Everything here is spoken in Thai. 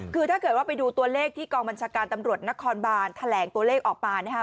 คือถ้าเกิดว่าไปดูตัวเลขที่กองบัญชาการตำรวจนครบานแถลงตัวเลขออกมานะคะ